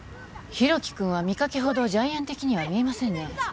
大樹君は見かけほどジャイアン的には見えませんね